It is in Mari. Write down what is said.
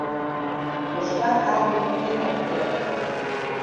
Йошкар Армий пытен ок керт.